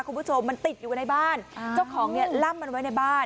คุณผู้ชมมันติดอยู่ในบ้านเจ้าของเนี่ยล่ำมันไว้ในบ้าน